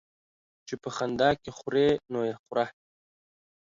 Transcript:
چي په خندا کې خورې ، نو يې خوره.